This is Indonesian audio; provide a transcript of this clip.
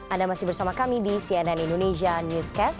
anda masih bersama kami di cnn indonesia newscast